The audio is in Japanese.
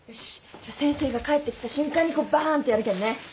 じゃ先生が帰ってきた瞬間にバーンとやるけんね。